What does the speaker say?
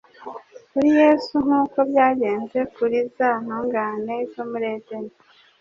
Kuri Yesu, nkuko byagenze kuri za ntungane zo muri Edeni,